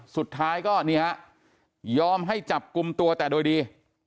สุดท้ายก็นี่ฮะยอมให้จับกลุ่มตัวแต่โดยดี